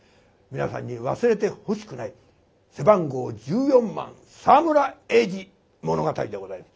皆さんに忘れてほしくない背番号１４番「沢村栄治物語」でございます。